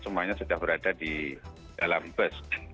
semuanya sudah berada di dalam bus